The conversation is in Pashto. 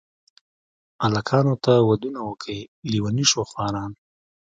الکانو ته ودونه وکئ لېوني شوه خواران.